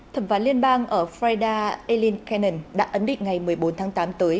thẩm phán liên bang ở florida eileen cannon đã ấn định ngày một mươi bốn tháng tám tới